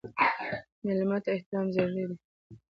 مېلمه ته احترام ضروري دی.